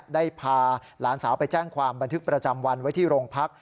ได้พาหลานสาวไปแจ้งความบันทึกประจำวันไว้ที่โรงพัก